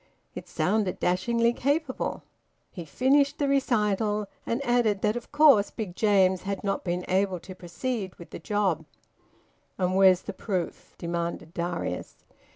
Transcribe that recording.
It sounded dashingly capable. He finished the recital, and added that of course Big James had not been able to proceed with the job. "And where's the proof?" demanded Darius.